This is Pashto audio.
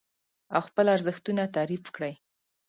او خپل ارزښتونه تعريف کړئ.